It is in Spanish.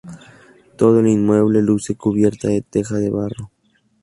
Todo el inmueble luce cubierta de teja de barro.